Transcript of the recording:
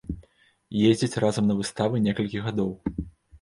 Ездзяць разам на выставы некалькі гадоў.